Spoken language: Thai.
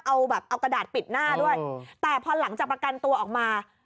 เอาแบบเอากระดาษปิดหน้าด้วยแต่พอหลังจากประกันตัวออกมา